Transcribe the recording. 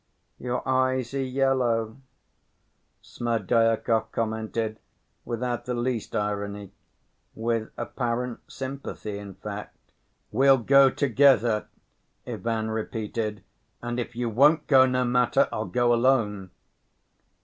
Your eyes are yellow," Smerdyakov commented, without the least irony, with apparent sympathy in fact. "We'll go together," Ivan repeated. "And if you won't go, no matter, I'll go alone."